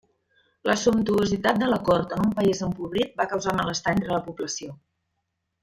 La sumptuositat de la Cort en un país empobrit va causar malestar entre la població.